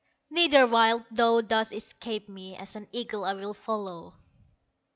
"Neither wilt thou thus escape me, As an eagle I will follow."